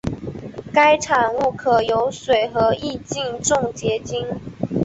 该产物可由水和乙腈重结晶。